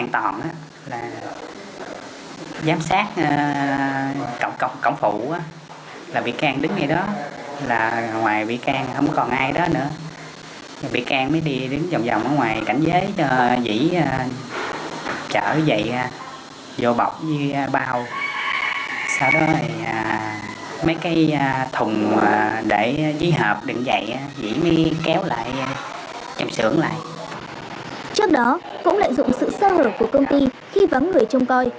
trước đó cũng lợi dụng sự sơ hở của công ty khi vắng người trông coi